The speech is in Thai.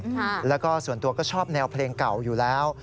ค่ะแล้วก็ส่วนตัวก็ชอบแนวเพลงเก่าอยู่แล้ว